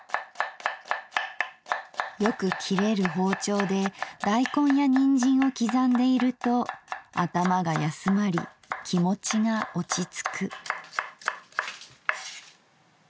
「よく切れる包丁で大根やにんじんを刻んでいると頭がやすまり気持ちが落ち着く」。